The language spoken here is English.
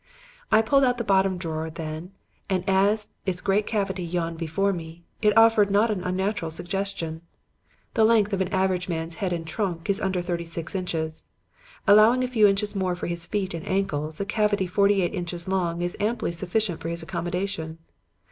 "I pulled out the bottom drawer, then, and as its great cavity yawned before me, it offered a not unnatural suggestion. The length of an average man's head and trunk is under thirty six inches. Allowing a few inches more for his feet and ankles, a cavity forty eight inches long is amply sufficient for his accommodation.